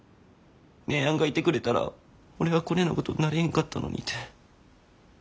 姉やんがいてくれたら俺はこねなことになれぃんかったのにて。